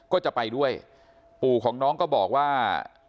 ก็จะไปด้วยปู่ของน้องก็บอกว่า